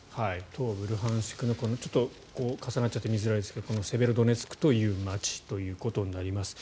東部ルハンシクの重なって見づらいですが見づらいですがセベロドネツクという街ということになります。